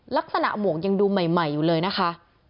ลักษณะหม่วงยังดูใหม่เลยนะคะ